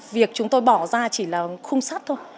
việc chúng tôi bỏ ra chỉ là khung sắt thôi